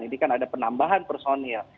ini kan ada penambahan personil